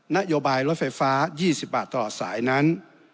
นโยบายรถไฟฟ้า๒๐บาทตลอดสายนั้น